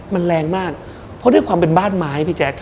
มันแรงมากเพราะด้วยความเป็นบ้านไม้พี่แจ๊ค